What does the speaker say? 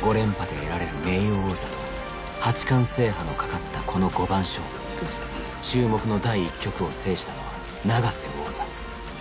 ５連覇で得られる名誉王座と八冠制覇のかかったこの五番勝負注目の第１局を制したのは永瀬王座。